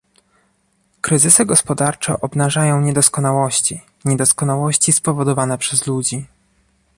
Kryzysy gospodarcze obnażają niedoskonałości - niedoskonałości spowodowane przez ludzi